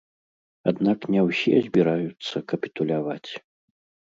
Аднак не ўсе збіраюцца капітуляваць.